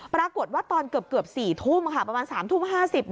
ปรากฏว่าตอนเกือบ๔ทุ่มค่ะประมาณ๓ทุ่ม๕๐